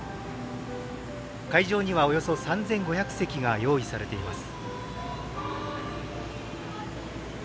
会場には、およそ３５００席が用意されています。